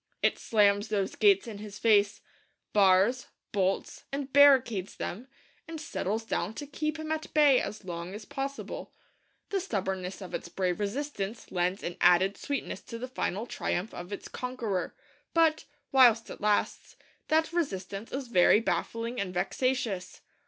It slams those gates in his face; bars, bolts, and barricades them; and settles down to keep him at bay as long as possible. The stubbornness of its brave resistance lends an added sweetness to the final triumph of its conqueror; but, whilst it lasts, that resistance is very baffling and vexatious.